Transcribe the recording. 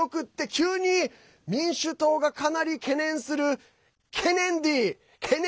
急に民主党がかなり懸念するケネンディ懸念